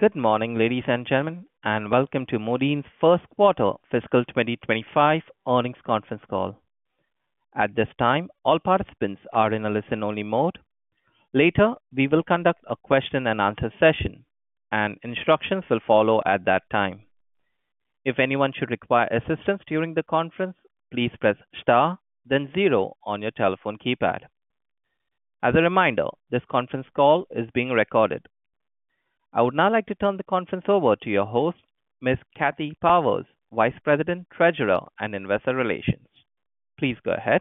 Good morning, ladies and gentlemen, and welcome to Modine's first quarter fiscal 2025 earnings conference call. At this time, all participants are in a listen-only mode. Later, we will conduct a question and answer session, and instructions will follow at that time. If anyone should require assistance during the conference, please press Star, then zero on your telephone keypad. As a reminder, this conference is being recorded. I would now like to turn the conference over to your host, Ms. Kathy Powers, Vice President, Treasurer, and Investor Relations. Please go ahead.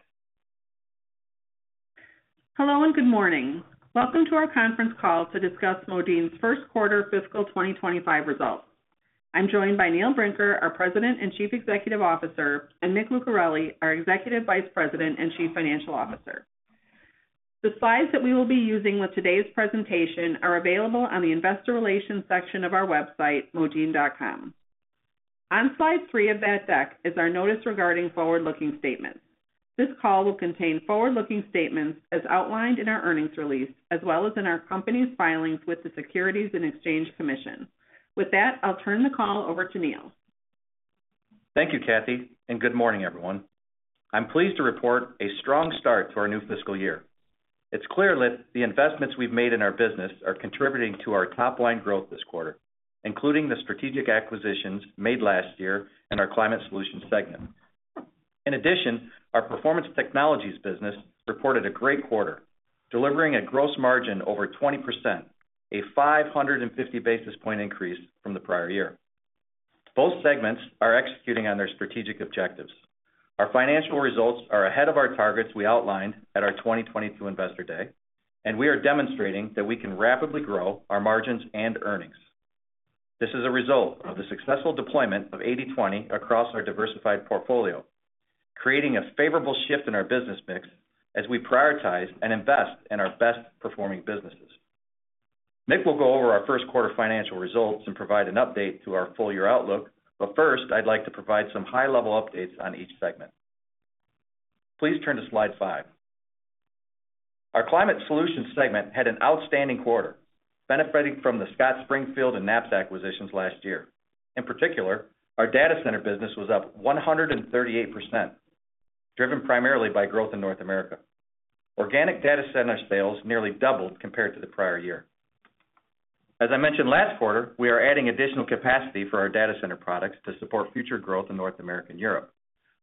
Hello, and good morning. Welcome to our conference call to discuss Modine's first quarter fiscal 2025 results. I'm joined by Neil Brinker, our President and Chief Executive Officer, and Mick Lucarelli, our Executive Vice President and Chief Financial Officer. The slides that we will be using with today's presentation are available on the investor relations section of our website, modine.com. On slide three of that deck is our notice regarding forward-looking statements. This call will contain forward-looking statements as outlined in our earnings release, as well as in our company's filings with the Securities and Exchange Commission. With that, I'll turn the call over to Neil. Thank you, Kathy, and good morning, everyone. I'm pleased to report a strong start to our new fiscal year. It's clear that the investments we've made in our business are contributing to our top-line growth this quarter, including the strategic acquisitions made last year in our Climate Solutions segment. In addition, our Performance Technologies business reported a great quarter, delivering a gross margin over 20%, a 550 basis point increase from the prior year. Both segments are executing on their strategic objectives. Our financial results are ahead of our targets we outlined at our 2022 Investor Day, and we are demonstrating that we can rapidly grow our margins and earnings. This is a result of the successful deployment of 80/20 across our diversified portfolio, creating a favorable shift in our business mix as we prioritize and invest in our best-performing businesses. Mick will go over our first quarter financial results and provide an update to our full-year outlook. But first, I'd like to provide some high-level updates on each segment. Please turn to slide five. Our Climate Solutions segment had an outstanding quarter, benefiting from the Scott Springfield and Napps acquisitions last year. In particular, our data center business was up 138%, driven primarily by growth in North America. Organic data center sales nearly doubled compared to the prior year. As I mentioned last quarter, we are adding additional capacity for our data center products to support future growth in North America and Europe,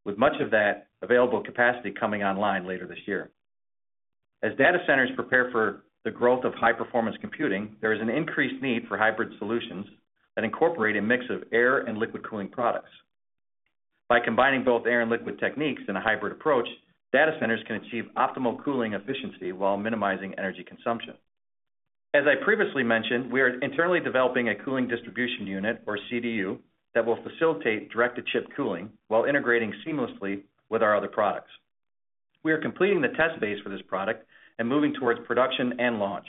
with much of that available capacity coming online later this year. As data centers prepare for the growth of high-performance computing, there is an increased need for hybrid solutions that incorporate a mix of air and liquid cooling products. By combining both air and liquid techniques in a hybrid approach, data centers can achieve optimal cooling efficiency while minimizing energy consumption. As I previously mentioned, we are internally developing a cooling distribution unit, or CDU, that will facilitate direct-to-chip cooling while integrating seamlessly with our other products. We are completing the test phase for this product and moving towards production and launch.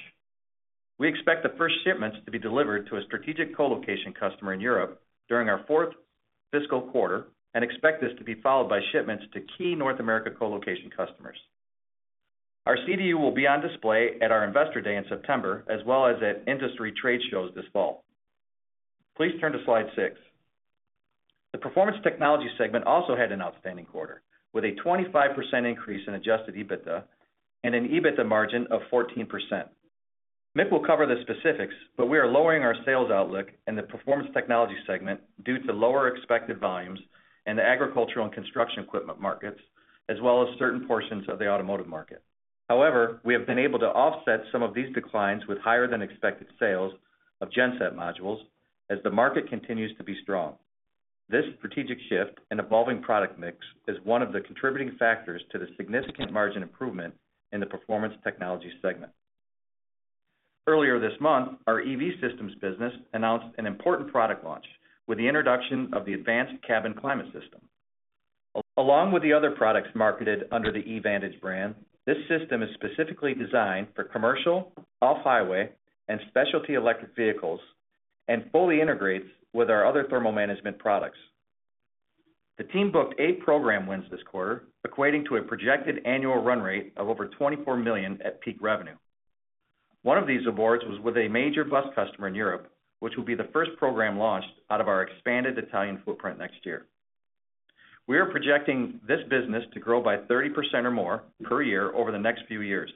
We expect the first shipments to be delivered to a strategic co-location customer in Europe during our fourth fiscal quarter and expect this to be followed by shipments to key North America co-location customers. Our CDU will be on display at our Investor Day in September, as well as at industry trade shows this fall. Please turn to slide six. The Performance Technologies segment also had an outstanding quarter, with a 25% increase in adjusted EBITDA and an EBITDA margin of 14%. Mick will cover the specifics, but we are lowering our sales outlook in the Performance Technologies segment due to lower expected volumes in the agricultural and construction equipment markets, as well as certain portions of the automotive market. However, we have been able to offset some of these declines with higher-than-expected sales of genset modules as the market continues to be strong. This strategic shift and evolving product mix is one of the contributing factors to the significant margin improvement in the Performance Technologies segment. Earlier this month, our EV Systems business announced an important product launch with the introduction of the Advanced Cabin Climate System. Along with the other products marketed under the EVantage brand, this system is specifically designed for commercial, off-highway, and specialty electric vehicles and fully integrates with our other thermal management products. The team booked eight program wins this quarter, equating to a projected annual run rate of over $24 million at peak revenue. One of these awards was with a major bus customer in Europe, which will be the first program launched out of our expanded Italian footprint next year. We are projecting this business to grow by 30% or more per year over the next few years.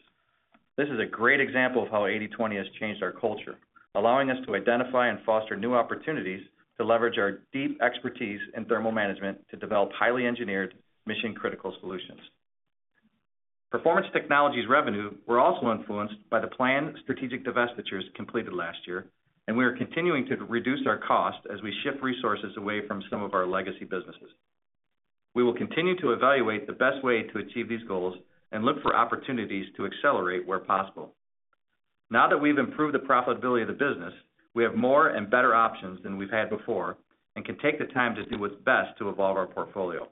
This is a great example of how 80/20 has changed our culture, allowing us to identify and foster new opportunities to leverage our deep expertise in thermal management to develop highly engineered, mission-critical solutions. Performance Technologies revenue were also influenced by the planned strategic divestitures completed last year, and we are continuing to reduce our cost as we shift resources away from some of our legacy businesses. We will continue to evaluate the best way to achieve these goals and look for opportunities to accelerate where possible. Now that we've improved the profitability of the business, we have more and better options than we've had before and can take the time to do what's best to evolve our portfolio.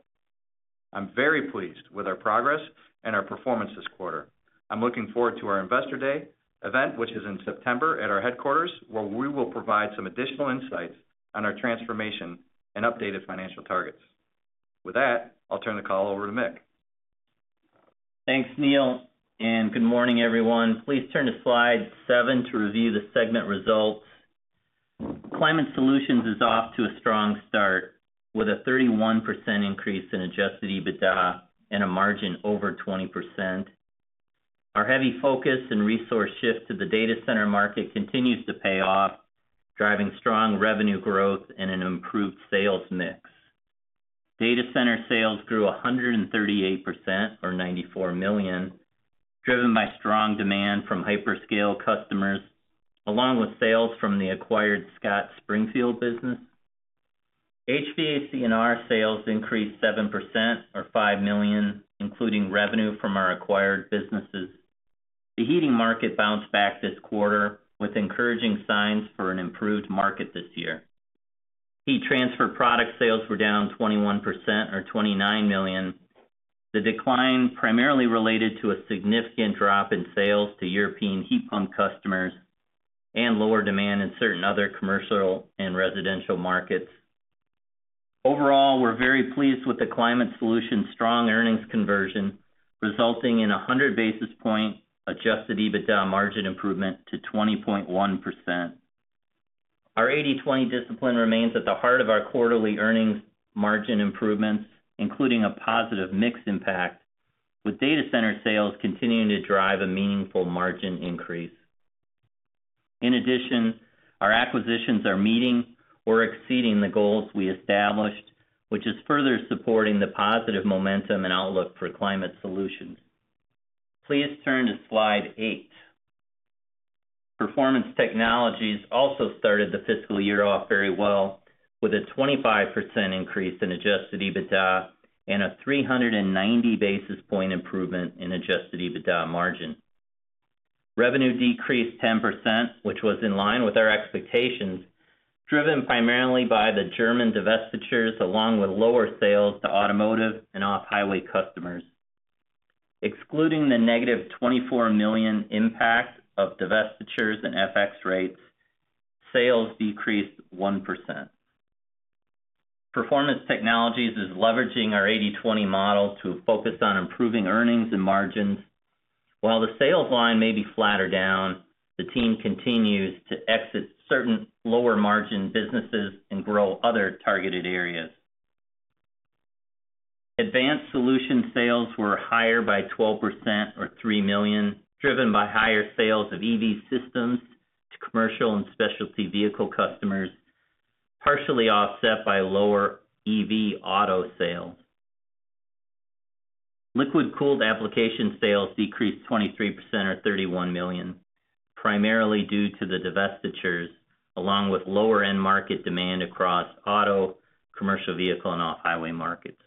I'm very pleased with our progress and our performance this quarter. I'm looking forward to our Investor Day event, which is in September at our headquarters, where we will provide some additional insights on our transformation and updated financial targets. With that, I'll turn the call over to Mick. Thanks, Neil, and good morning, everyone. Please turn to slide seven to review the segment results. Climate Solutions is off to a strong start, with a 31% increase in adjusted EBITDA and a margin over 20%. Our heavy focus and resource shift to the data center market continues to pay off, driving strong revenue growth and an improved sales mix. Data center sales grew 138%, or $94 million, driven by strong demand from hyperscale customers, along with sales from the acquired Scott Springfield business. HVAC&R sales increased 7%, or $5 million, including revenue from our acquired businesses. The heating market bounced back this quarter, with encouraging signs for an improved market this year. Heat Transfer Products sales were down 21%, or $29 million. The decline primarily related to a significant drop in sales to European heat pump customers and lower demand in certain other commercial and residential markets. Overall, we're very pleased with the Climate Solutions' strong earnings conversion, resulting in a 100 basis point adjusted EBITDA margin improvement to 20.1%. Our 80/20 discipline remains at the heart of our quarterly earnings margin improvements, including a positive mix impact, with data center sales continuing to drive a meaningful margin increase. In addition, our acquisitions are meeting or exceeding the goals we established, which is further supporting the positive momentum and outlook for Climate Solutions. Please turn to slide 8. Performance Technologies also started the fiscal year off very well, with a 25% increase in adjusted EBITDA and a 390 basis point improvement in adjusted EBITDA margin. Revenue decreased 10%, which was in line with our expectations, driven primarily by the German divestitures, along with lower sales to automotive and off-highway customers. Excluding the -$24 million impact of divestitures and FX rates, sales decreased 1%. Performance Technologies is leveraging our 80/20 model to focus on improving earnings and margins. While the sales line may be flat or down, the team continues to exit certain lower margin businesses and grow other targeted areas. Advanced Solutions sales were higher by 12%, or $3 million, driven by higher sales of EV systems to commercial and specialty vehicle customers, partially offset by lower EV auto sales. Liquid-cooled application sales decreased 23%, or $31 million, primarily due to the divestitures, along with lower end market demand across auto, commercial vehicle, and off-highway markets.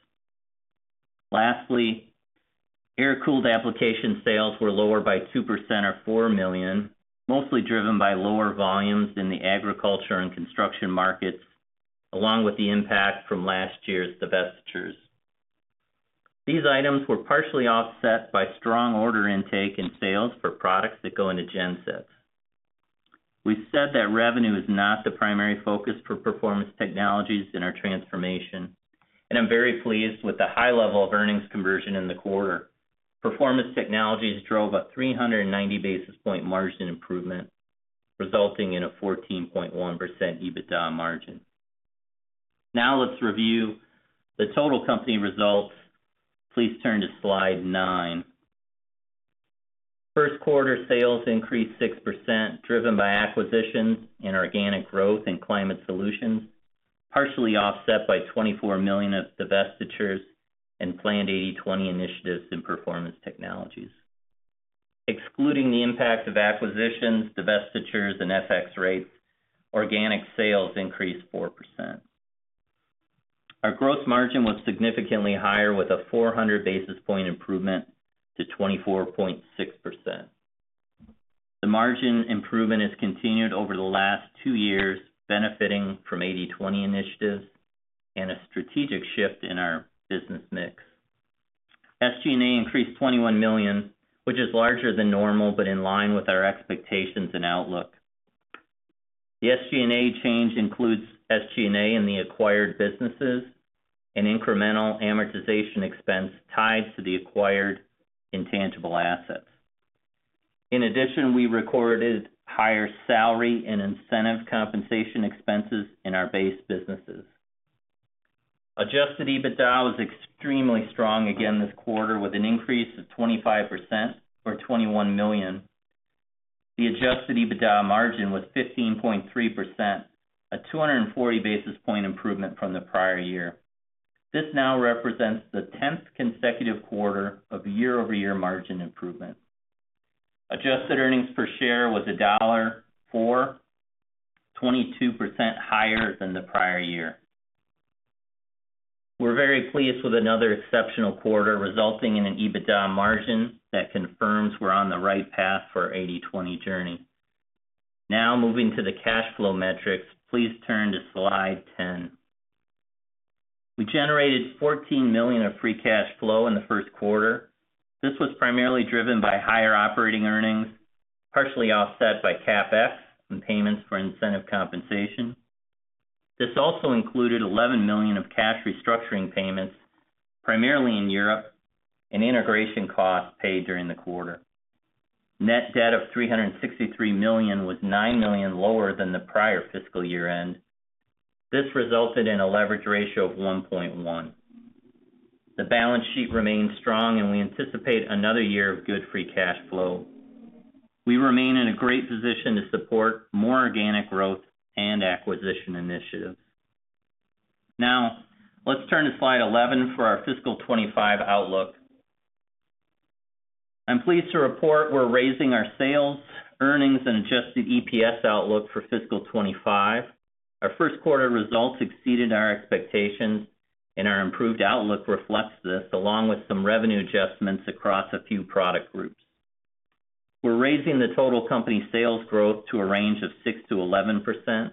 Lastly, air-cooled application sales were lower by 2% or $4 million, mostly driven by lower volumes in the agriculture and construction markets, along with the impact from last year's divestitures. These items were partially offset by strong order intake and sales for products that go into gensets. We've said that revenue is not the primary focus for Performance Technologies in our transformation, and I'm very pleased with the high level of earnings conversion in the quarter. Performance Technologies drove a 390 basis point margin improvement, resulting in a 14.1% EBITDA margin. Now, let's review the total company results. Please turn to slide nine. First quarter sales increased 6%, driven by acquisitions and organic growth in Climate Solutions, partially offset by $24 million of divestitures and planned 80/20 initiatives in Performance Technologies. Excluding the impact of acquisitions, divestitures, and FX rates, organic sales increased 4%. Our gross margin was significantly higher, with a 400 basis point improvement to 24.6%. The margin improvement has continued over the last two years, benefiting from 80/20 initiatives and a strategic shift in our business mix. SG&A increased $21 million, which is larger than normal, but in line with our expectations and outlook. The SG&A change includes SG&A in the acquired businesses and incremental amortization expense tied to the acquired intangible assets. In addition, we recorded higher salary and incentive compensation expenses in our base businesses. Adjusted EBITDA was extremely strong again this quarter, with an increase of 25%, or $21 million. The adjusted EBITDA margin was 15.3%, a 240 basis point improvement from the prior year. This now represents the 10th consecutive quarter of year-over-year margin improvement. Adjusted earnings per share was $1.04, 22% higher than the prior year. We're very pleased with another exceptional quarter, resulting in an EBITDA margin that confirms we're on the right path for our 80/20 journey. Now, moving to the cash flow metrics. Please turn to slide 10. We generated $14 million of free cash flow in the first quarter. This was primarily driven by higher operating earnings, partially offset by CapEx and payments for incentive compensation. This also included $11 million of cash restructuring payments, primarily in Europe, and integration costs paid during the quarter. Net debt of $363 million was $9 million lower than the prior fiscal year-end. This resulted in a leverage ratio of 1.1. The balance sheet remains strong, and we anticipate another year of good free cash flow. We remain in a great position to support more organic growth and acquisition initiatives. Now, let's turn to slide 11 for our fiscal 2025 outlook. I'm pleased to report we're raising our sales, earnings, and adjusted EPS outlook for fiscal 2025. Our first quarter results exceeded our expectations, and our improved outlook reflects this, along with some revenue adjustments across a few product groups. We're raising the total company sales growth to a range of 6%-11%.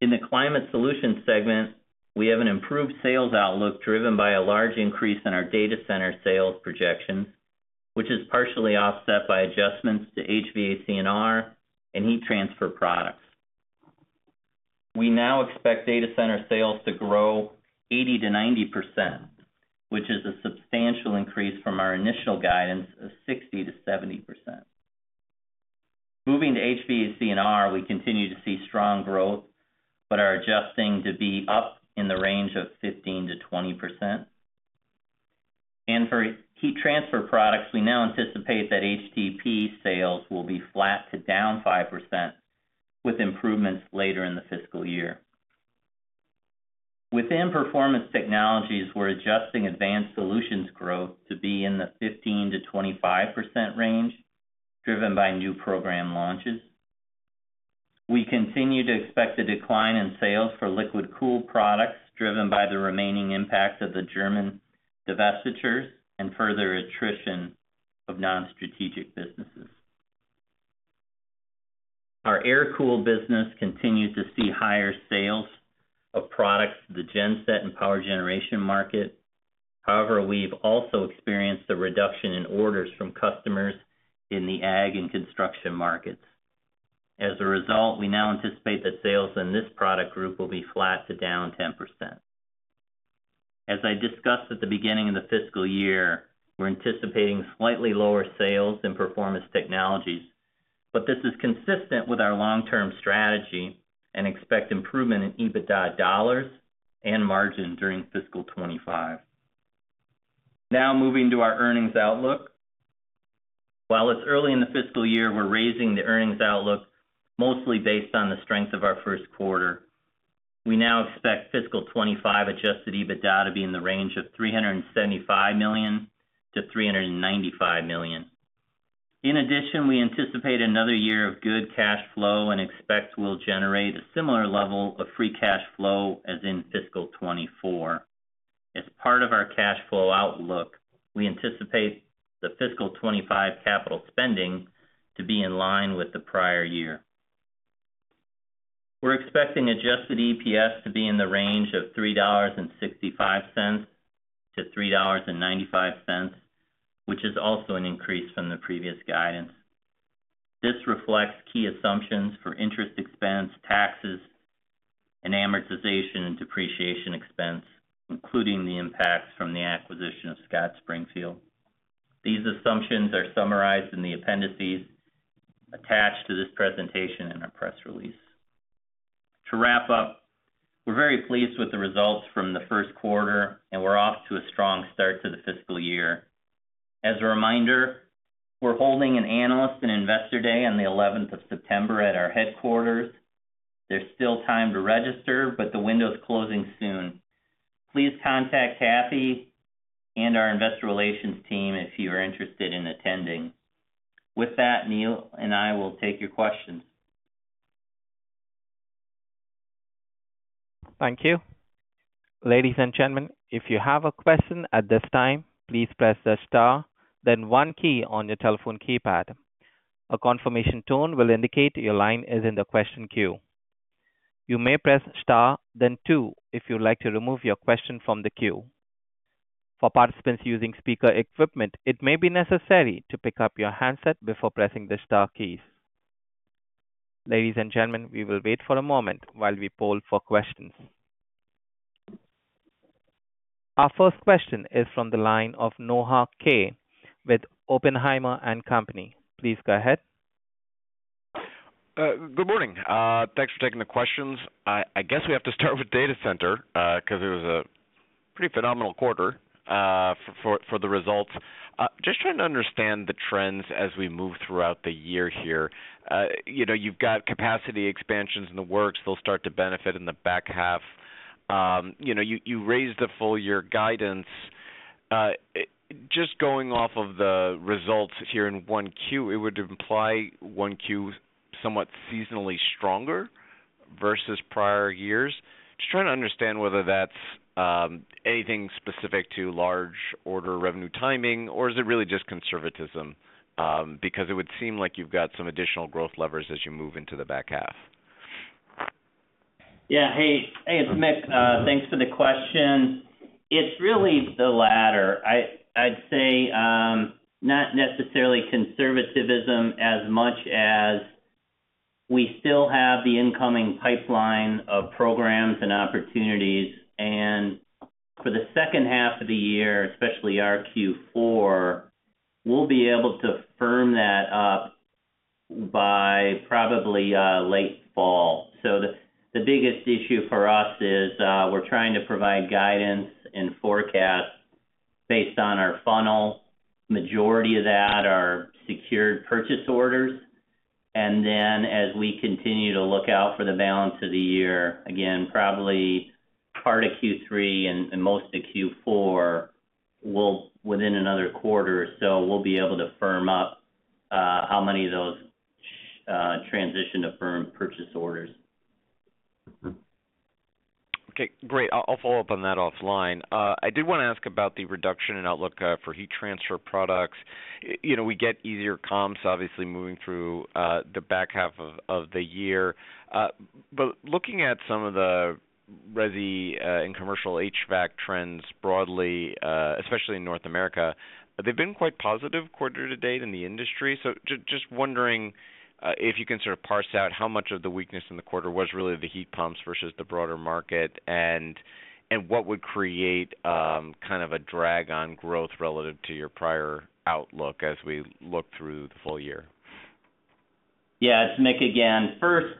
In the Climate Solutions segment, we have an improved sales outlook, driven by a large increase in our data center sales projections, which is partially offset by adjustments to HVAC&R and Heat Transfer Products. We now expect data center sales to grow 80%-90%, which is a substantial increase from our initial guidance of 60%-70%. Moving to HVAC&R, we continue to see strong growth, but are adjusting to be up in the range of 15%-20%. For heat transfer products, we now anticipate that HTP sales will be flat to down 5%, with improvements later in the fiscal year. Within Performance Technologies, we're adjusting Advanced Solutions growth to be in the 15%-25% range, driven by new program launches. We continue to expect a decline in sales for liquid-cooled products, driven by the remaining impacts of the German divestitures and further attrition of non-strategic businesses. Our air-cooled business continues to see higher sales of products, the genset and power generation market. However, we've also experienced a reduction in orders from customers in the Ag and construction markets. As a result, we now anticipate that sales in this product group will be flat to down 10%. As I discussed at the beginning of the fiscal year, we're anticipating slightly lower sales in Performance Technologies, but this is consistent with our long-term strategy and expect improvement in EBITDA dollars and margin during fiscal 2025. Now, moving to our earnings outlook. While it's early in the fiscal year, we're raising the earnings outlook, mostly based on the strength of our first quarter. We now expect fiscal 2025 Adjusted EBITDA to be in the range of $375 million-$395 million. In addition, we anticipate another year of good cash flow and expect we'll generate a similar level of Free Cash Flow as in fiscal 2024. As part of our cash flow outlook, we anticipate the fiscal 2025 capital spending to be in line with the prior year. We're expecting adjusted EPS to be in the range of $3.65-$3.95, which is also an increase from the previous guidance. This reflects key assumptions for interest expense, taxes, and amortization and depreciation expense, including the impacts from the acquisition of Scott Springfield. These assumptions are summarized in the appendices attached to this presentation in our press release. To wrap up, we're very pleased with the results from the first quarter, and we're off to a strong start to the fiscal year. As a reminder, we're holding an Analyst and Investor Day on the 11th of September at our headquarters. There's still time to register, but the window is closing soon. Please contact Kathy and our investor relations team if you are interested in attending. With that, Neil and I will take your questions. Thank you. Ladies and gentlemen, if you have a question at this time, please press the star, then one key on your telephone keypad. A confirmation tone will indicate your line is in the question queue. You may press star, then two, if you'd like to remove your question from the queue. For participants using speaker equipment, it may be necessary to pick up your handset before pressing the star keys. Ladies and gentlemen, we will wait for a moment while we poll for questions. Our first question is from the line of Noah Kaye with Oppenheimer & Co Please go ahead. Good morning. Thanks for taking the questions. I guess we have to start with data center, 'cause it was a pretty phenomenal quarter for the results. Just trying to understand the trends as we move throughout the year here. You know, you've got capacity expansions in the works. They'll start to benefit in the back half. You know, you raised the full year guidance. Just going off of the results here in 1Q, it would imply 1Q somewhat seasonally stronger versus prior years. Just trying to understand whether that's anything specific to large order revenue timing, or is it really just conservatism? Because it would seem like you've got some additional growth levers as you move into the back half. Yeah. Hey, hey, it's Mick. Thanks for the question. It's really the latter. I'd say not necessarily conservatism as much as we still have the incoming pipeline of programs and opportunities. And for the second half of the year, especially our Q4, we'll be able to firm that up by probably late fall. So the biggest issue for us is we're trying to provide guidance and forecast based on our funnel. Majority of that are secured purchase orders. And then as we continue to look out for the balance of the year, again, probably part of Q3 and most of Q4, within another quarter or so, we'll be able to firm up how many of those transition to firm purchase orders. Okay, great. I'll follow up on that offline. I did want to ask about the reduction in outlook for Heat Transfer Products. You know, we get easier comps, obviously, moving through the back half of the year. But looking at some of the residential and commercial HVAC trends broadly, especially in North America, they've been quite positive quarter to date in the industry. So just wondering if you can sort of parse out how much of the weakness in the quarter was really the heat pumps versus the broader market, and what would create kind of a drag on growth relative to your prior outlook as we look through the full year? Yeah, it's Mick again. First,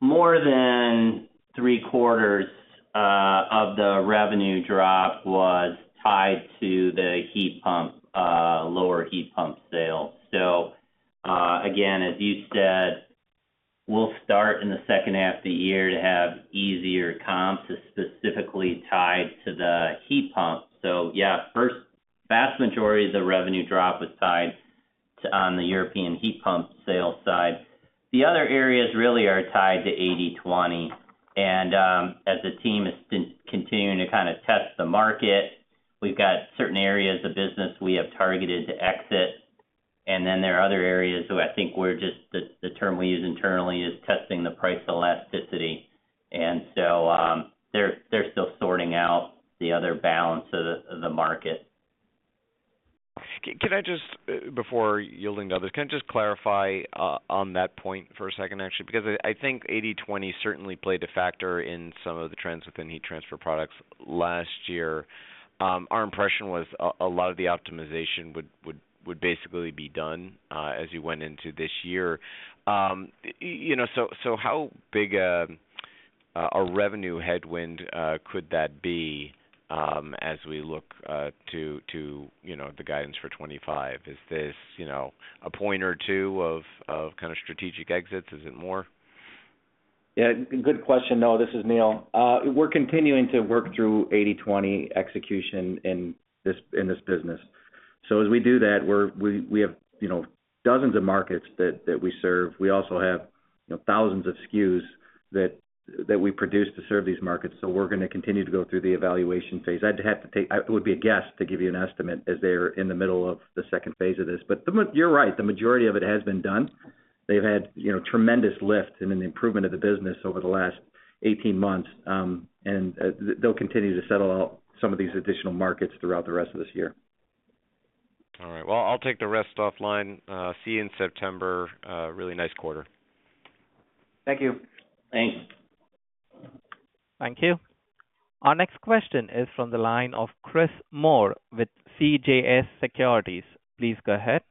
more than three quarters of the revenue drop was tied to the heat pump lower heat pump sale. So, again, as you said, we'll start in the second half of the year to have easier comps specifically tied to the heat pump. So yeah, first, vast majority of the revenue drop was tied to on the European heat pump sales side. The other areas really are tied to 80/20, and, as the team is continuing to kind of test the market, we've got certain areas of business we have targeted to exit. And then there are other areas where I think we're just... the term we use internally is testing the price elasticity. And so, they're still sorting out the other balance of the market. Can I just, before yielding to others, can I just clarify on that point for a second, actually? Because I think 80/20 certainly played a factor in some of the trends within Heat Transfer Products last year. Our impression was a lot of the optimization would basically be done as you went into this year. You know, so how big a revenue headwind could that be as we look to the guidance for 2025? Is this a point or two of kind of strategic exits? Is it more? Yeah, good question. No, this is Neil. We're continuing to work through 80/20 execution in this, in this business. So as we do that, we're we have, you know, dozens of markets that we serve. We also have, you know, thousands of SKUs that we produce to serve these markets, so we're gonna continue to go through the evaluation phase. I'd have to take it would be a guess to give you an estimate, as they are in the middle of the second phase of this. But you're right, the majority of it has been done. They've had, you know, tremendous lift and an improvement of the business over the last 18 months, and they'll continue to settle out some of these additional markets throughout the rest of this year. All right, well, I'll take the rest offline. See you in September. Really nice quarter. Thank you. Thanks. Thank you. Our next question is from the line of Chris Moore with CJS Securities. Please go ahead.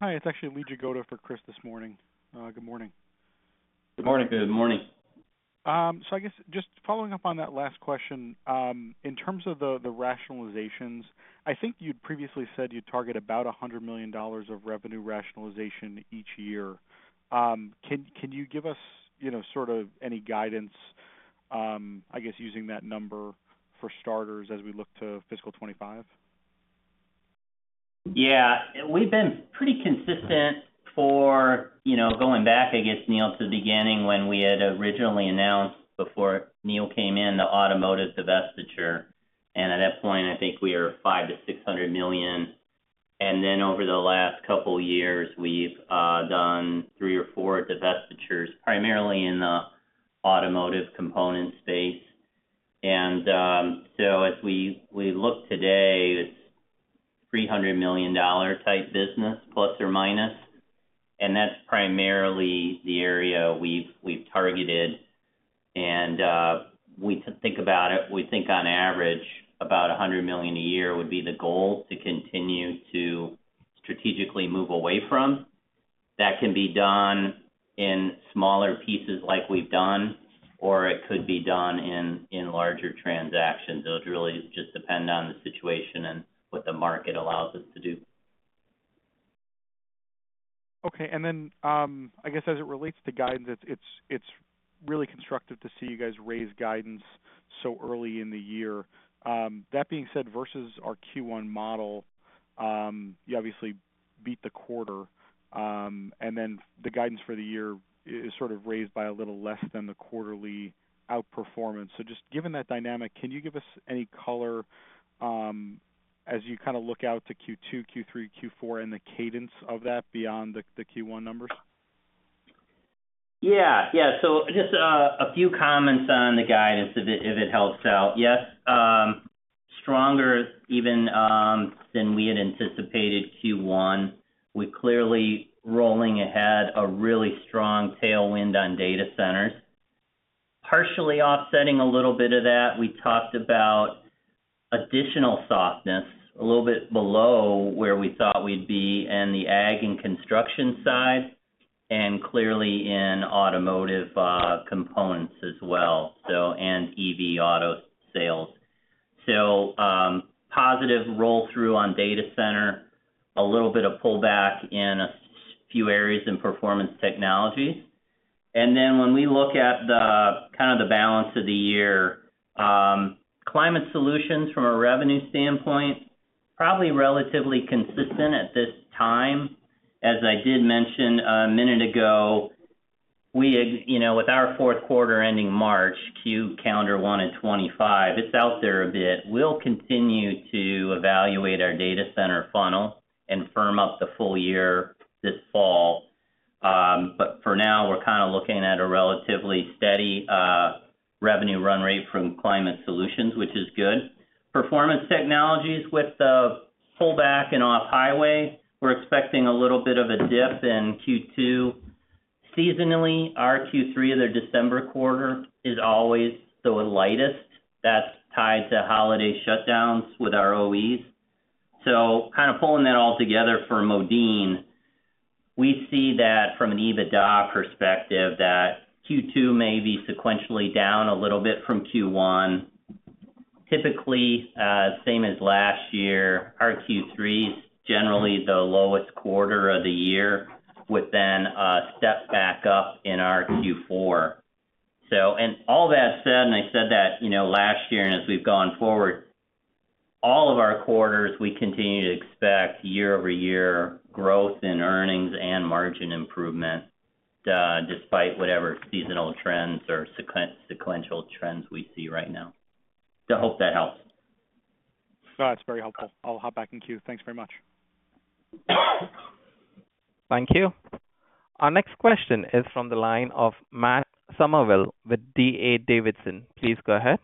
Hi, it's actually Lee Jagoda for Chris this morning. Good morning. Good morning. Good morning. So I guess just following up on that last question, in terms of the rationalizations, I think you'd previously said you'd target about $100 million of revenue rationalization each year. Can you give us, you know, sort of any guidance, I guess, using that number for starters, as we look to fiscal 2025? Yeah. We've been pretty consistent for, you know, going back, I guess, Neil, to the beginning when we had originally announced, before Neil came in, the automotive divestiture, and at that point, I think we were $500 million-$600 million. And then over the last couple of years, we've done three or four divestitures, primarily in the automotive component space. And so as we look today, it's $300 million dollar type business, plus or minus, and that's primarily the area we've targeted. And we think about it, we think on average, about $100 million a year would be the goal to continue to strategically move away from. That can be done in smaller pieces like we've done, or it could be done in larger transactions. It would really just depend on the situation and what the market allows us to do. Okay. And then, I guess as it relates to guidance, it's really constructive to see you guys raise guidance so early in the year. That being said, versus our Q1 model, you obviously beat the quarter, and then the guidance for the year is sort of raised by a little less than the quarterly outperformance. So just given that dynamic, can you give us any color, as you kind of look out to Q2, Q3, Q4, and the cadence of that beyond the Q1 numbers? Yeah, yeah. So just a few comments on the guidance, if it helps out. Yes, stronger even than we had anticipated Q1. We're clearly rolling ahead, a really strong tailwind on data centers. Partially offsetting a little bit of that, we talked about additional softness, a little bit below where we thought we'd be in the Ag and construction side, and clearly in automotive components as well, so and EV auto sales. So, positive roll through on data center, a little bit of pullback in a few areas in Performance Technologies. And then when we look at the kind of the balance of the year, Climate Solutions from a revenue standpoint, probably relatively consistent at this time. As I did mention a minute ago, we had, you know, with our fourth quarter ending March, calendar Q1 2025, it's out there a bit. We'll continue to evaluate our data center funnel and firm up the full year this fall. But for now, we're kind of looking at a relatively steady revenue run rate from Climate Solutions, which is good. Performance Technologies with the pullback in off-highway, we're expecting a little bit of a dip in Q2. Seasonally, our Q3, or the December quarter, is always the lightest. That's tied to holiday shutdowns with our OEs. So kind of pulling that all together for Modine, we see that from an EBITDA perspective, that Q2 may be sequentially down a little bit from Q1. Typically, same as last year, our Q3 is generally the lowest quarter of the year, with then a step back up in our Q4. So, and all that said, and I said that, you know, last year, and as we've gone forward, all of our quarters, we continue to expect year-over-year growth in earnings and margin improvement, despite whatever seasonal trends or sequential trends we see right now. So I hope that helps. That's very helpful. I'll hop back in queue. Thanks very much. Thank you. Our next question is from the line of Matt Summerville with D.A. Davidson. Please go ahead.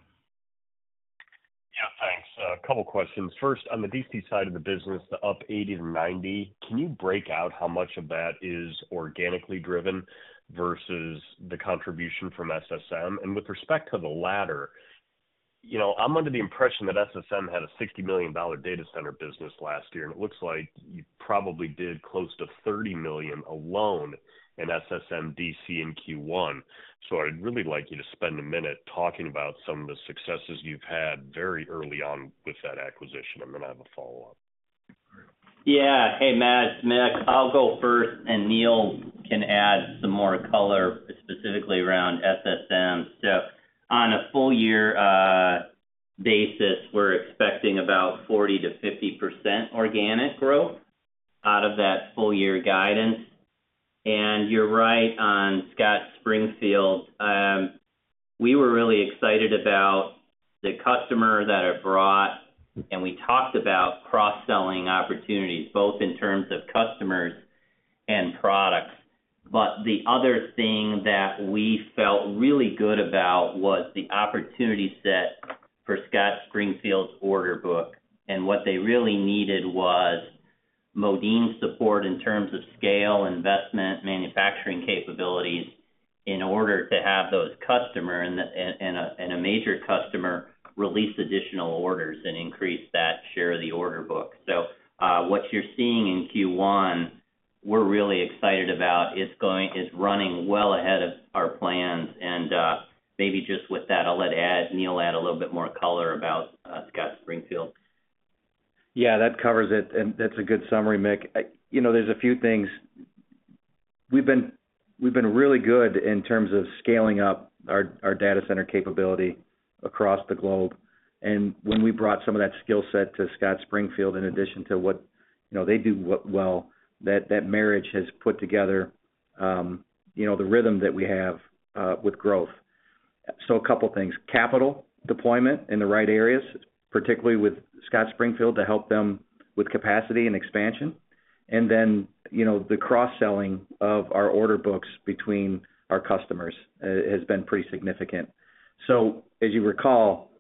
Yeah, thanks. A couple questions. First, on the DC side of the business, the up 80-90, can you break out how much of that is organically driven versus the contribution from SSM? And with respect to the latter, you know, I'm under the impression that SSM had a $60 million data center business last year, and it looks like you probably did close to $30 million alone in SSM DC in Q1. So I'd really like you to spend a minute talking about some of the successes you've had very early on with that acquisition, and then I have a follow-up. Yeah. Hey, Matt, it's Mick. I'll go first, and Neil can add some more color, specifically around SSM. So on a full-year basis, we're expecting about 40%-50% organic growth out of that full-year guidance. And you're right on Scott Springfield. We were really excited about the customer that it brought, and we talked about cross-selling opportunities, both in terms of customers and products. But the other thing that we felt really good about was the opportunity set for Scott Springfield's order book. And what they really needed was Modine support in terms of scale, investment, manufacturing capabilities, in order to have those customers and a major customer release additional orders and increase that share of the order book. So, what you're seeing in Q1, we're really excited about. It's going, it's running well ahead of our plans, and, maybe just with that, I'll let Neil add a little bit more color about, Scott Springfield. Yeah, that covers it, and that's a good summary, Mick. I You know, there's a few things. We've been really good in terms of scaling up our data center capability across the globe. And when we brought some of that skill set to Scott Springfield, in addition to what, you know, they do well, that marriage has put together, you know, the rhythm that we have with growth. So a couple of things. Capital deployment in the right areas, particularly with Scott Springfield, to help them with capacity and expansion. And then, you know, the cross-selling of our order books between our customers has been pretty significant. So as you recall,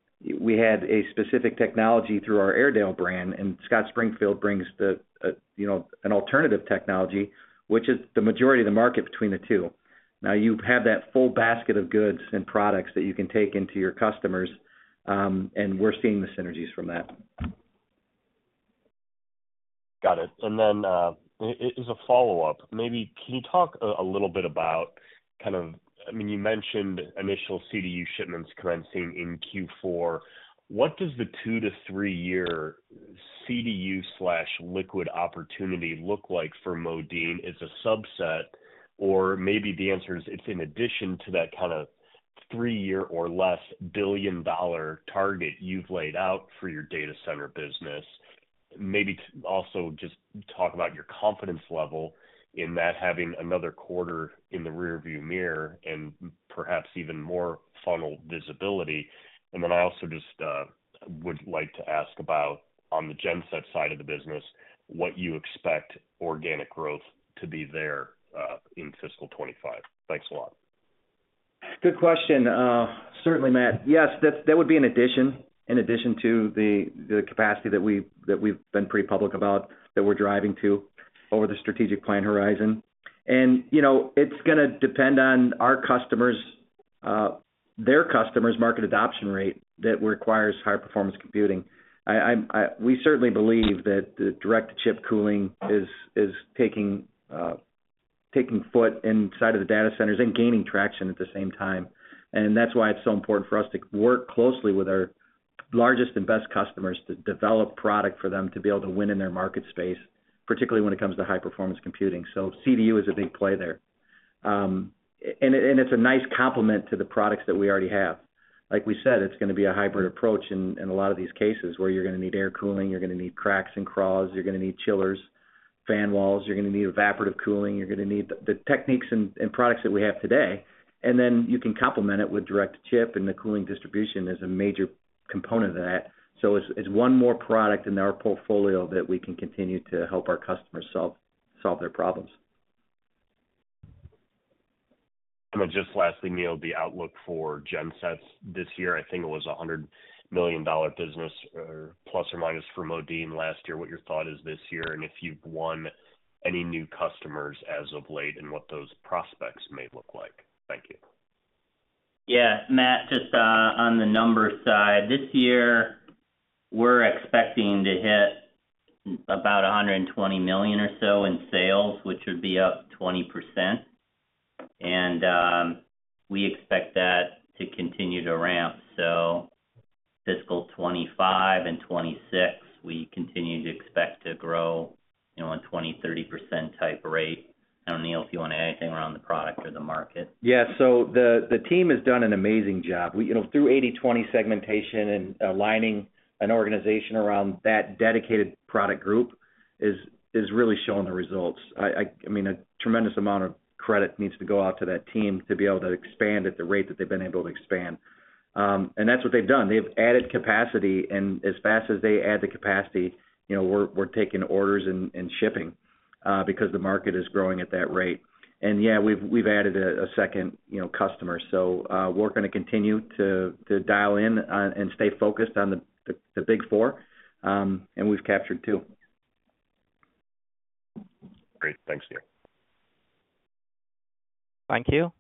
we had a specific technology through our Airedale brand, and Scott Springfield brings the, you know, an alternative technology, which is the majority of the market between the two. Now, you have that full basket of goods and products that you can take into your customers, and we're seeing the synergies from that. Got it. And then, as a follow-up, maybe can you talk a little bit about kind of... I mean, you mentioned initial CDU shipments commencing in Q4. What does the 2-3 year CDU/liquid opportunity look like for Modine as a subset? Or maybe the answer is, it's in addition to that kind of three year or less billion-dollar target you've laid out for your data center business. Maybe also just talk about your confidence level in that having another quarter in the rearview mirror and perhaps even more funnel visibility. And then I also just would like to ask about, on the genset side of the business, what you expect organic growth to be there in fiscal 2025. Thanks a lot. Good question, certainly, Matt. Yes, that would be an addition, in addition to the capacity that we've been pretty public about, that we're driving to over the strategic plan horizon. You know, it's gonna depend on our customers, their customers' market adoption rate that requires high-performance computing. We certainly believe that the direct-to-chip cooling is taking root inside of the data centers and gaining traction at the same time. And that's why it's so important for us to work closely with our largest and best customers to develop product for them to be able to win in their market space, particularly when it comes to high-performance computing. So CDU is a big play there. And it's a nice complement to the products that we already have. Like we said, it's gonna be a hybrid approach in a lot of these cases, where you're gonna need air cooling, you're gonna need CRACs and CRAHs, you're gonna need chillers, fan walls, you're gonna need evaporative cooling, you're gonna need the techniques and products that we have today. And then you can complement it with direct to chip, and the cooling distribution is a major component of that. So it's one more product in our portfolio that we can continue to help our customers solve their problems. And then just lastly, Neil, the outlook for gensets this year, I think it was a $100 million business or plus or minus for Modine last year. What your thought is this year, and if you've won any new customers as of late, and what those prospects may look like? Thank you. Yeah, Matt, just, on the numbers side, this year, we're expecting to hit about $120 million or so in sales, which would be up 20%. And, we expect that to continue to ramp. So fiscal 2025 and 2026, we continue to expect to grow, you know, on 20%-30% type rate. I don't know, Neil, if you want to add anything around the product or the market. Yeah. So the team has done an amazing job. We, you know, through 80/20 segmentation and aligning an organization around that dedicated product group, is really showing the results. I mean, a tremendous amount of credit needs to go out to that team to be able to expand at the rate that they've been able to expand. And that's what they've done. They've added capacity, and as fast as they add the capacity, you know, we're taking orders and shipping because the market is growing at that rate. And yeah, we've added a second, you know, customer. So, we're gonna continue to dial in on and stay focused on the big four, and we've captured two. Great. Thanks, Neil. Thank you.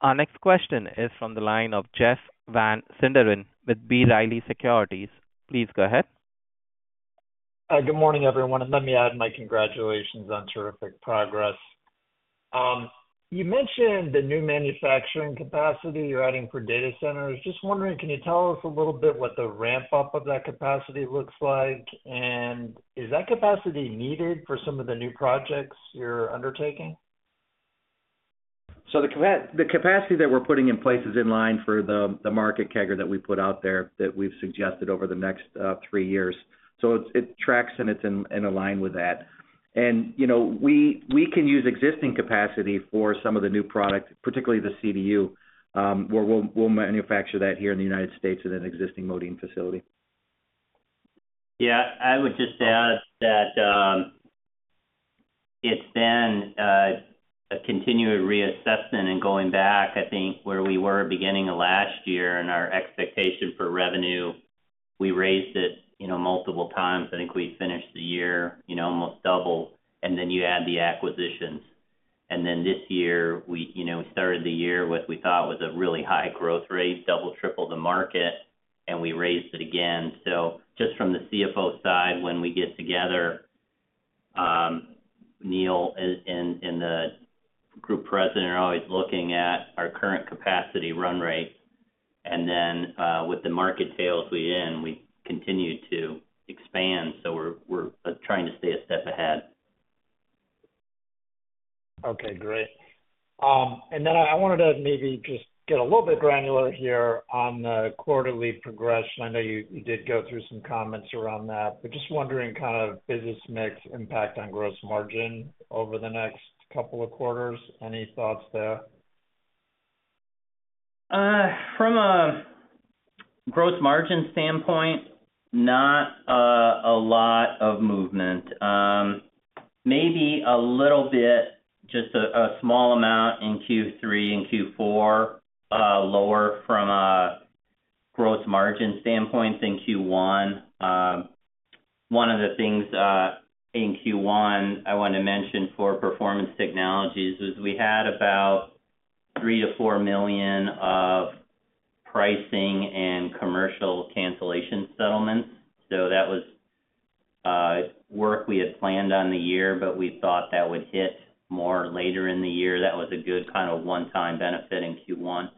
Our next question is from the line of Jeff Van Sinderen with B. Riley Securities. Please go ahead. Good morning, everyone, and let me add my congratulations on terrific progress. You mentioned the new manufacturing capacity you're adding for data centers. Just wondering, can you tell us a little bit what the ramp-up of that capacity looks like? And is that capacity needed for some of the new projects you're undertaking? So the capacity that we're putting in place is in line with the market CAGR that we put out there, that we've suggested over the next three years. So it's, it tracks, and it's in line with that. And, you know, we can use existing capacity for some of the new product, particularly the CDU, where we'll manufacture that here in the United States in an existing Modine facility. Yeah, I would just add that, it's been a continued reassessment. And going back, I think, where we were beginning of last year and our expectation for revenue, we raised it, you know, multiple times. I think we finished the year, you know, almost double, and then you add the acquisitions. And then this year, we, you know, started the year with, we thought was a really high growth rate, double, triple the market, and we raised it again. So just from the CFO side, when we get together, Neil and the group president are always looking at our current capacity run rate. And then, with the market tailwinds we're in, we continue to expand, so we're trying to stay a step ahead. Okay, great. And then I wanted to maybe just get a little bit granular here on the quarterly progression. I know you did go through some comments around that, but just wondering, kind of business mix impact on gross margin over the next couple of quarters. Any thoughts there? From a gross margin standpoint, not a lot of movement. Maybe a little bit, just a small amount in Q3 and Q4, lower from a gross margin standpoint than Q1. One of the things in Q1 I wanted to mention for Performance Technologies was, we had about $3 million-$4 million of pricing and commercial cancellation settlements. So that was work we had planned on the year, but we thought that would hit more later in the year. That was a good kind of one-time benefit in Q1.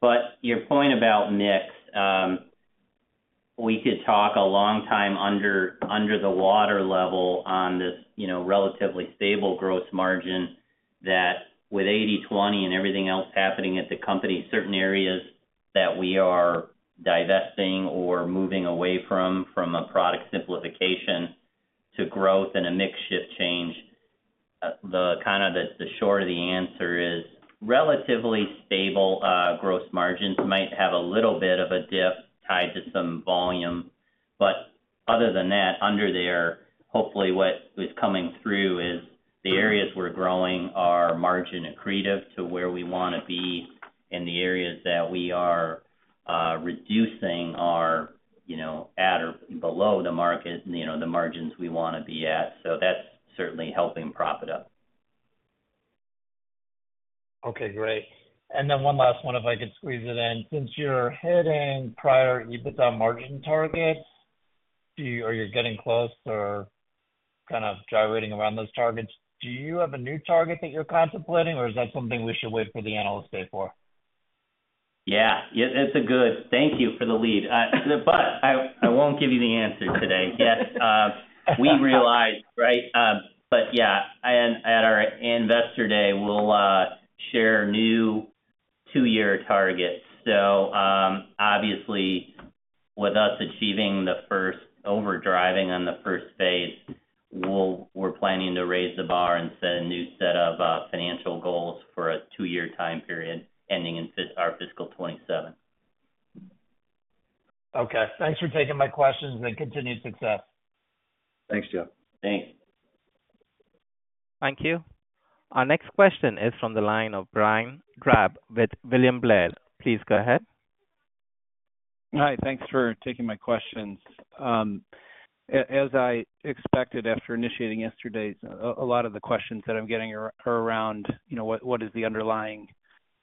But your point about mix, we could talk a long time under the water level on this, you know, relatively stable growth margin that with 80/20 and everything else happening at the company, certain areas that we are divesting or moving away from, from a product simplification to growth and a mix shift change, the kind of the, the short of the answer is, relatively stable, gross margins might have a little bit of a dip tied to some volume, but other than that, under there, hopefully what is coming through is the areas we're growing are margin accretive to where we wanna be, and the areas that we are, reducing are, you know, at or below the market, you know, the margins we wanna be at. So that's certainly helping prop it up. Okay, great. And then one last one, if I could squeeze it in. Since you're hitting prior EBITDA margin targets, do you, or you're getting close or kind of gyrating around those targets, do you have a new target that you're contemplating, or is that something we should wait for the analyst day for? Yeah, yeah, it's a good—thank you for the lead. But I won't give you the answer today. Yes, we realize, right? But yeah, at our investor day, we'll share new two-year targets. So, obviously, with us achieving the first over-driving on the first phase, we're planning to raise the bar and set a new set of financial goals for a two-year time period, ending in our fiscal 2027. Okay. Thanks for taking my questions, and continued success. Thanks, Joe. Thanks. Thank you. Our next question is from the line of Brian Drab with William Blair. Please go ahead. Hi, thanks for taking my questions. As I expected after initiating yesterday, a lot of the questions that I'm getting are around, you know, what is the underlying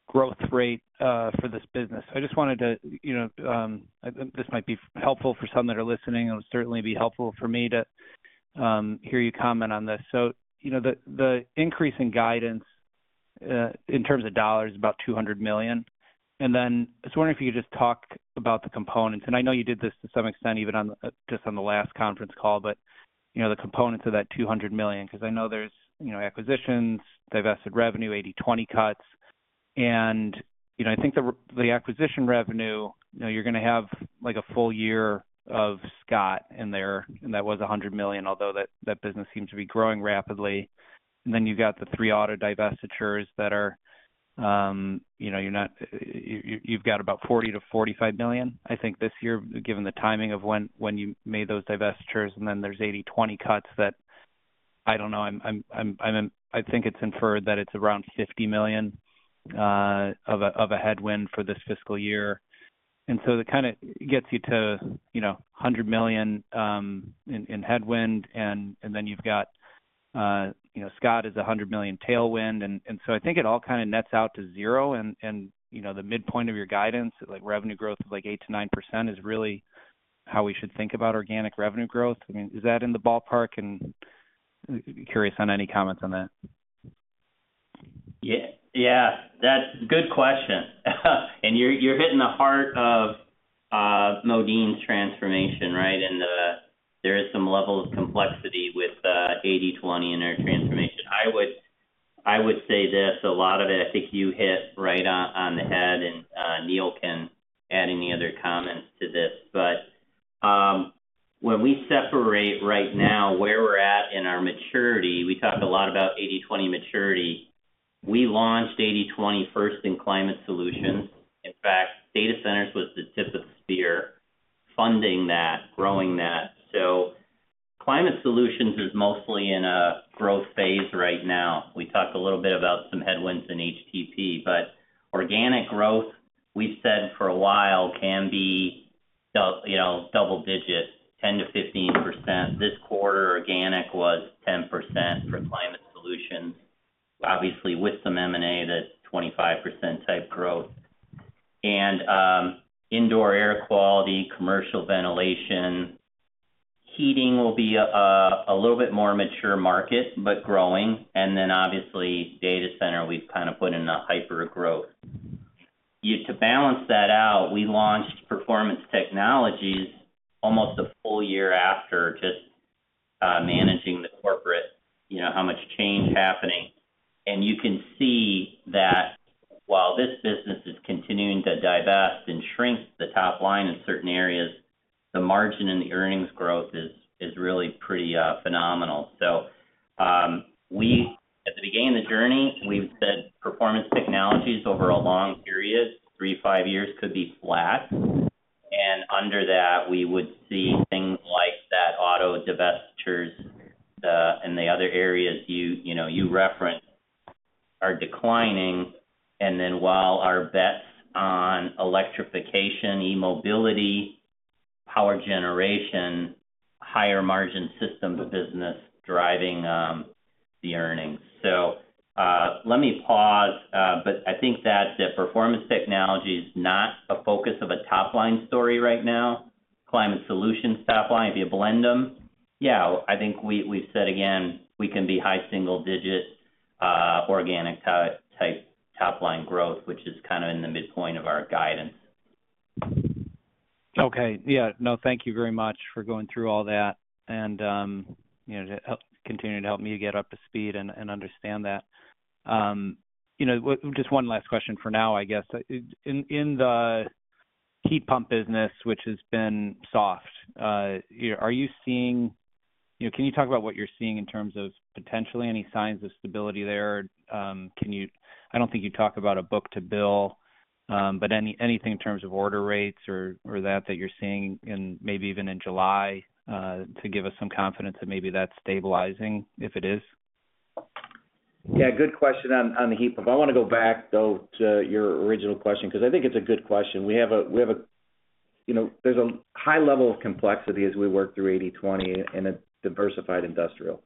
growth rate for this business? I just wanted to, you know, I think this might be helpful for some that are listening. It'll certainly be helpful for me to hear you comment on this. So, you know, the increase in guidance in terms of dollars is about $200 million. And then I was wondering if you could just talk about the components, and I know you did this to some extent, even on just on the last conference call, but, you know, the components of that $200 million, cause I know there's, you know, acquisitions, divested revenue, 80/20 cuts. And, you know, I think the acquisition revenue, you know, you're gonna have, like, a full year of Scott in there, and that was $100 million, although that business seems to be growing rapidly. And then you've got the three auto divestitures that are, you know, you're not-- you've got about $40 million-$45 million, I think, this year, given the timing of when you made those divestitures. And then there's 80/20 cuts that I don't know, I'm, I think it's inferred that it's around $50 million of a headwind for this fiscal year. And so it kind of gets you to, you know, $100 million in headwind, and then you've got, you know, Scott is a $100 million tailwind. And so I think it all kind of nets out to zero, and, you know, the midpoint of your guidance, like, revenue growth of, like, 8%-9%, is really how we should think about organic revenue growth. I mean, is that in the ballpark? And curious on any comments on that. Yeah, that's a good question. And you're hitting the heart of Modine's transformation, right? And there is some level of complexity with 80/20 in our transformation. I would say this, a lot of it, I think you hit right on the head, and Neil can add any other comments to this. But when we separate right now where we're at in our maturity, we talked a lot about 80/20 maturity. We launched 80/20 first in Climate Solutions. In fact, data centers was the tip of the spear, funding that, growing that. So Climate Solutions is mostly in a growth phase right now. We talked a little bit about some headwinds in HTP, but organic growth, we've said for a while, can be you know, double-digit, 10%-15%. This quarter, organic was 10% for Climate Solutions. Obviously, with some M&A, that's 25% type growth. And, indoor air quality, commercial ventilation, heating will be a little bit more mature market, but growing. And then obviously, data center, we've kind of put in a hypergrowth. You to balance that out, we launched Performance Technologies almost a full year after just managing the corporate, you know, how much change happening. And you can see that while this business is continuing to divest and shrink the top line in certain areas, the margin and the earnings growth is really pretty phenomenal. So, we, at the beginning of the journey, we've said Performance Technologies, over a long period, three, five years, could be flat. And under that, we would see things like that, auto divestitures, and the other areas you know you referenced are declining. Then, while our bets on electrification, e-mobility, power generation, higher margin systems business driving the earnings. So, let me pause, but I think that's it. Performance Technologies is not a focus of a top-line story right now. Climate Solutions top line, if you blend them, yeah, I think we, we've said again, we can be high single-digit organic top-line growth, which is kind of in the midpoint of our guidance. Okay. Yeah. No, thank you very much for going through all that and, you know, to help- continuing to help me get up to speed and, and understand that. You know, just one last question for now, I guess. In the heat pump business, which has been soft, are you seeing... You know, can you talk about what you're seeing in terms of potentially any signs of stability there? I don't think you talk about a book to bill, but any, anything in terms of order rates or, or that, that you're seeing in maybe even in July, to give us some confidence that maybe that's stabilizing, if it is? Yeah, good question on the heat pump. I wanna go back, though, to your original question, 'cause I think it's a good question. We have a, we have a. You know, there's a high level of complexity as we work through 80/20 in a diversified industrial.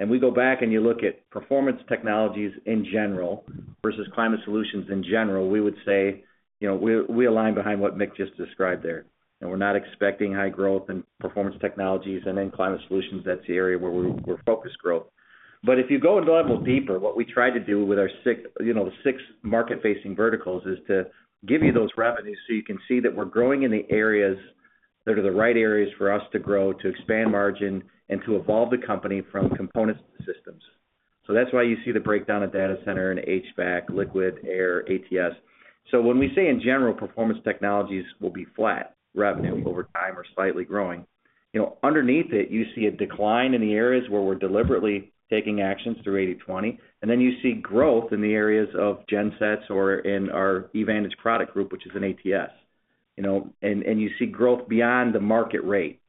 And we go back, and you look at Performance Technologies in general versus Climate Solutions in general, we would say, you know, we, we align behind what Mick just described there, and we're not expecting high growth in Performance Technologies and in Climate Solutions. That's the area where we're, we're focused growth. But if you go a level deeper, what we try to do with our six, you know, the six market-facing verticals, is to give you those revenues, so you can see that we're growing in the areas that are the right areas for us to grow, to expand margin and to evolve the company from components to systems. So that's why you see the breakdown of data center and HVAC, liquid, air, ATS. So when we say, in general, Performance Technologies will be flat revenue over time or slightly growing, you know, underneath it, you see a decline in the areas where we're deliberately taking actions through 80/20, and then you see growth in the areas of gensets or in our EVantage product group, which is an ATS. You know, and you see growth beyond the market rate.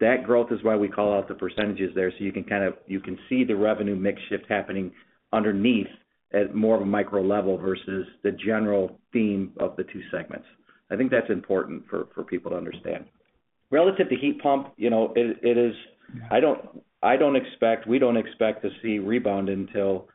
That growth is why we call out the percentages there. So you can kind of, you can see the revenue mix shift happening underneath at more of a micro level versus the general theme of the two segments. I think that's important for people to understand. Relative to heat pump, you know, it is. We don't expect to see rebound until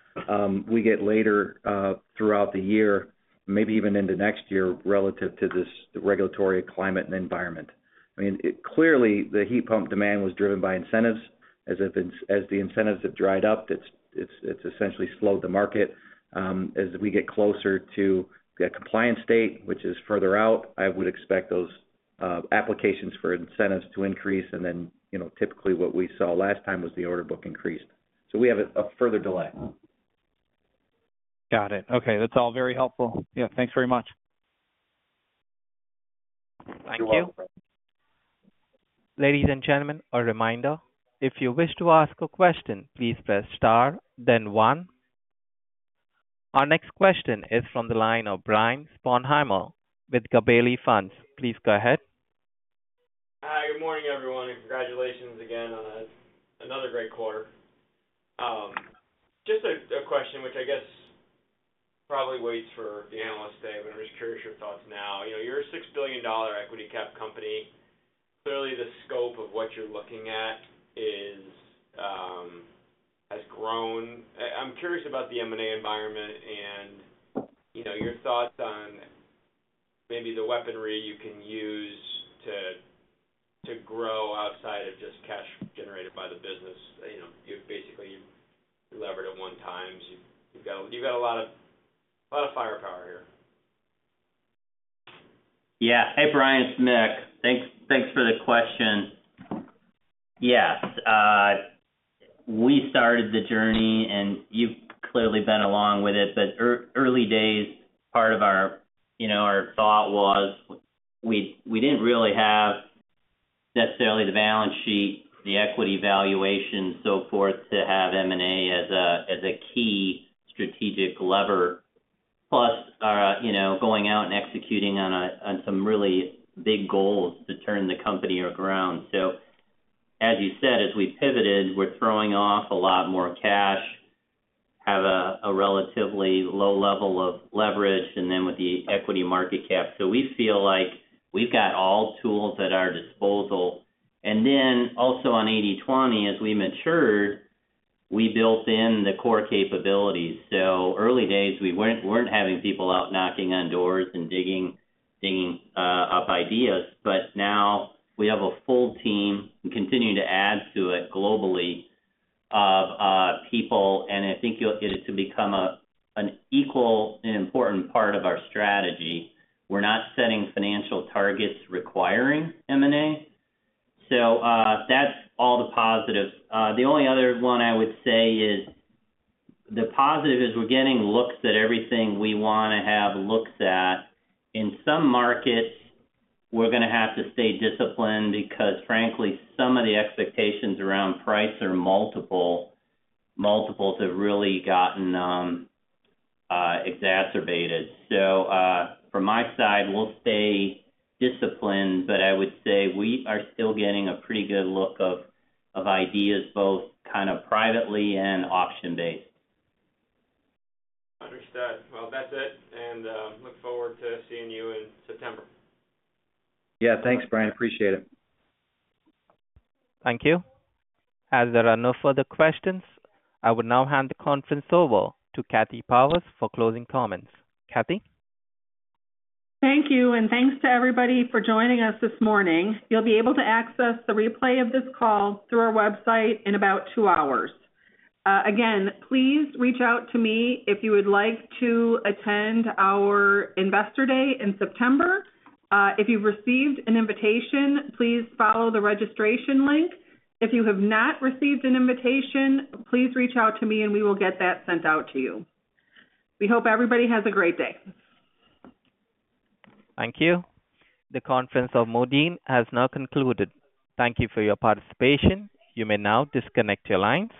we get later throughout the year, maybe even into next year, relative to this regulatory climate and environment. I mean, it clearly, the heat pump demand was driven by incentives. As the incentives have dried up, it's essentially slowed the market. As we get closer to the compliance date, which is further out, I would expect those applications for incentives to increase. And then, you know, typically what we saw last time was the order book increased. So we have a further delay. Got it. Okay, that's all very helpful. Yeah, thanks very much. You're welcome. Thank you. Ladies and gentlemen, a reminder, if you wish to ask a question, please press star then one. Our next question is from the line of Brian Sponheimer with Gabelli Funds. Please go ahead. Hi, good morning, everyone, and congratulations again on another great quarter. Just a question which I guess probably waits for the Analyst Day, but I'm just curious your thoughts now. You know, you're a $6 billion equity cap company. Clearly, the scope of what you're looking at is has grown. I'm curious about the M&A environment and, you know, your thoughts on maybe the weaponry you can use to grow outside of just cash generated by the business. You know, you've basically, you've levered it at 1x. You've got a lot of firepower here. Yeah. Hey, Brian, it's Mick. Thanks, thanks for the question. Yes, we started the journey, and you've clearly been along with it. But early days, part of our, you know, our thought was, we didn't really have necessarily the balance sheet, the equity valuation, so forth, to have M&A as a, as a key strategic lever. Plus, you know, going out and executing on a, on some really big goals to turn the company around. So as you said, as we pivoted, we're throwing off a lot more cash, have a relatively low level of leverage, and then with the equity market cap. So we feel like we've got all tools at our disposal. And then also on 80/20, as we matured, we built in the core capabilities. So early days, we weren't having people out knocking on doors and digging up ideas, but now we have a full team and continuing to add to it globally, of people, and I think you'll it to become a, an equal and important part of our strategy. We're not setting financial targets requiring M&A, so, that's all the positive. The only other one I would say is, the positive is we're getting looks at everything we wanna have looks at. In some markets, we're gonna have to stay disciplined because, frankly, some of the expectations around price or multiples have really gotten exacerbated. So, from my side, we'll stay disciplined, but I would say we are still getting a pretty good look at ideas, both kind of privately and auction-based. Understood. Well, that's it, and, look forward to seeing you in September. Yeah, thanks, Brian. Appreciate it. Thank you. As there are no further questions, I will now hand the conference over to Kathy Powers for closing comments. Kathy? Thank you, and thanks to everybody for joining us this morning. You'll be able to access the replay of this call through our website in about two hours. Again, please reach out to me if you would like to attend our Investor Day in September. If you've received an invitation, please follow the registration link. If you have not received an invitation, please reach out to me, and we will get that sent out to you. We hope everybody has a great day. Thank you. The conference of Modine has now concluded. Thank you for your participation. You may now disconnect your lines.